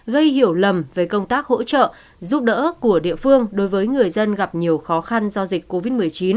gây hiểu lầm về công tác hỗ trợ giúp đỡ của địa phương đối với người dân gặp nhiều khó khăn do dịch covid một mươi chín